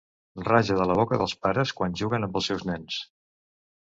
Raja de la boca dels pares quan juguen amb els seus nens.